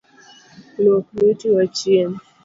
Luok lueti wachiem.